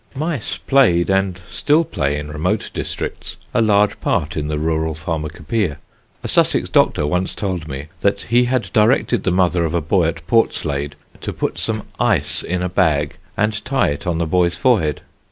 Mice played, and still play in remote districts, a large part in the rural pharmacopeia. A Sussex doctor once told me that he had directed the mother of a boy at Portslade to put some ice in a bag and tie it on the boy's forehead.